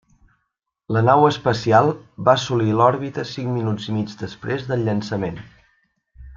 La nau espacial va assolir l'òrbita cinc minuts i mig després del llançament.